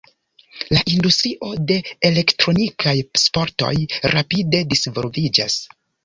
La industrio de elektronikaj sportoj rapide disvolviĝas.